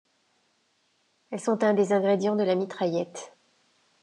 Elles sont un des ingrédients de la mitraillette.